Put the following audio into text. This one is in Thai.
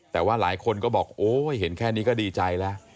แต่ว่าหลายคนก็บอกโอ้ยเห็นแค่นี้ก็ดีใจแล้ว